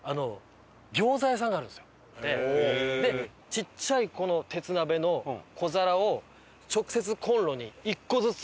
ちっちゃい鉄鍋の小皿を直接コンロに１個ずつ。